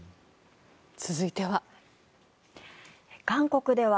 続いては。